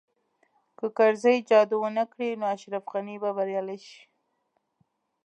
که کرزی جادو ونه کړي نو اشرف غني به بریالی شي